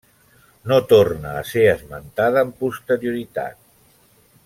No torna a ser esmentada amb posterioritat.